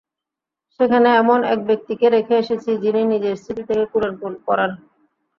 সেখানে এমন এক ব্যক্তিকে রেখে এসেছি যিনি নিজের স্মৃতি থেকে কুরআন পড়ান।